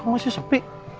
kok masih sepi